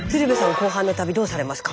後半の旅どうされますか？